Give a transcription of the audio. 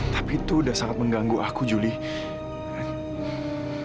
tapi itu udah sangat mengganggu aku julie